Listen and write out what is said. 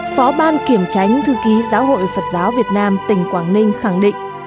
phó ban kiểm tránh thư ký giáo hội phật giáo việt nam tỉnh quảng ninh khẳng định